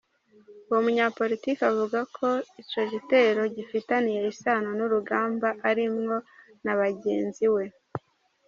Uwo munyaporitoke, avuga ko ico gitero gifitaniye isano n'urugamba arimwo na bagenziwe.